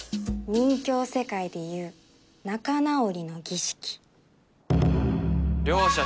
任侠世界でいう仲直りの儀式両者